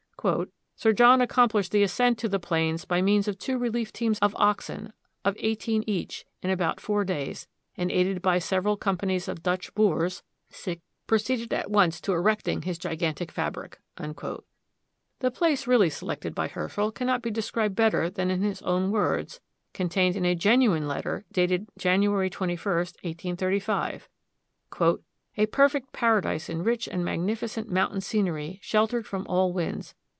"Sir John accomplished the ascent to the plains by means of two relief teams of oxen, of eighteen each, in about four days, and, aided by several companies of Dutch boors, proceeded at once to the erecting of his gigantic fabric." The place really selected by Herschel cannot be described better than in his own words, contained in a genuine letter dated January 21, 1835: "A perfect paradise in rich and magnificent mountain scenery, sheltered from all winds....